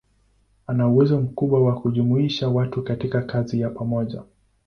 Ana uwezo mkubwa wa kujumuisha watu katika kazi ya pamoja.